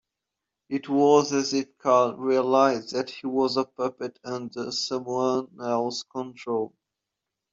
It was as if Carl realised that he was a puppet under someone else's control.